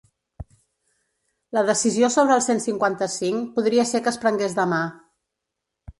La decisió sobre el cent cinquanta-cinc podria ser que es prengués demà.